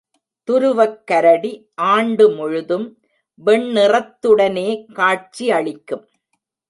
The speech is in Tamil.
துருவக்கரடி ஆண்டு முழுதும் வெண்ணிறத்துடனே காட்சி அளிக்கும்.